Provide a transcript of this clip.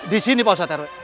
disini pak ustadz rw